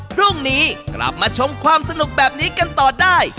พรุ่งนี้กลับมาชมความสนุกแบบนี้กันต่อได้